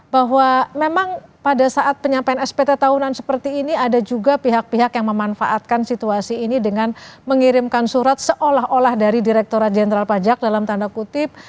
bahwa memang pada saat penyampaian spt tahunan seperti ini ada juga pihak pihak yang memanfaatkan situasi ini dengan mengirimkan surat seolah olah dari direkturat jenderal pajak dalam tanda kutip